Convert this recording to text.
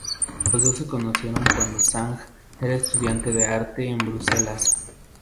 Los dos se conocieron cuando Zhang era estudiante de arte en Bruselas.